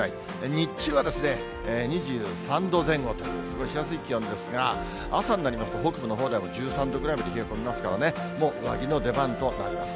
日中は２３度前後と、過ごしやすい気温ですが、朝になりますと、北部のほうでは１３度ぐらいまで冷え込みますからね、もう上着の出番となります。